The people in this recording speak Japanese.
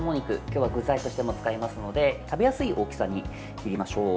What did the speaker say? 今日は具材としても使いますので食べやすい大きさに切りましょう。